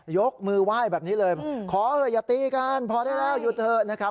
ยกมือไหว้แบบนี้เลยขออย่าตีกันพอได้แล้วหยุดเถอะนะครับ